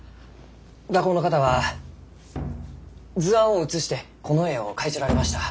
画工の方は図案を写してこの絵を描いちょられました。